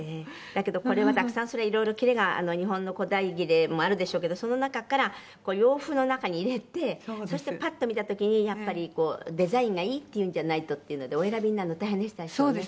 だけどこれはたくさん色々切れが日本の古代切もあるでしょうけどその中から洋風の中に入れてそしてパッと見た時にやっぱりデザインがいいっていうんじゃないとっていうのでお選びになるの大変でしたでしょうね。